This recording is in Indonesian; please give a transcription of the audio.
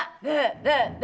duh duh duh